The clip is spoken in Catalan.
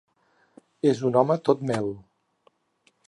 És un home tot mel.